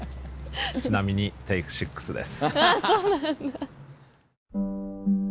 ちなみにテイクシックスです。